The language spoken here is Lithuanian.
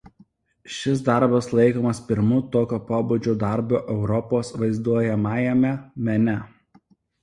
Šis darbas laikomas pirmu tokio pobūdžio darbu Europos vaizduojamajame mene.